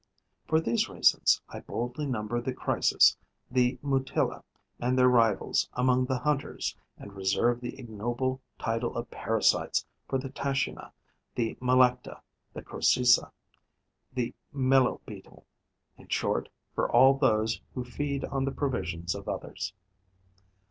For these reasons, I boldly number the Chrysis, the Mutilla and their rivals among the hunters and reserve the ignoble title of parasites for the Tachina, the Melecta, the Crocisa, the Meloe beetle, in short, for all those who feed on the provisions of others.